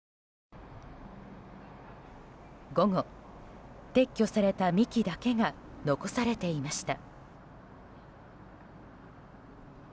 午後、撤去された幹だけが残されていました。